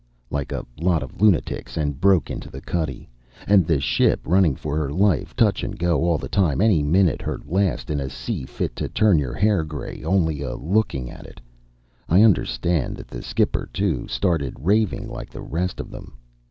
like a lot of lunatics, and broke into the cuddy. And the ship running for her life, touch and go all the time, any minute her last in a sea fit to turn your hair gray only a looking at it. I understand that the skipper, too, started raving like the rest of them.